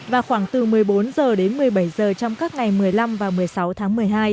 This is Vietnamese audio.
và khoảng từ một mươi bốn h đến một mươi bảy h trong các ngày một mươi năm và một mươi sáu tháng một mươi hai